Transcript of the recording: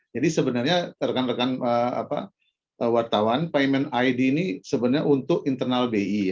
jadi sebenarnya rekan rekan wartawan payment id ini sebenarnya untuk internal bi